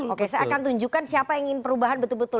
oke saya akan tunjukkan siapa yang ingin perubahan betul betul